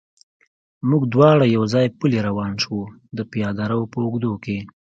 موږ دواړه یو ځای پلی روان شو، د پیاده رو په اوږدو کې.